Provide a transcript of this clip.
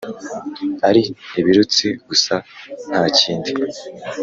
ari ibirutsi gusa ntakindi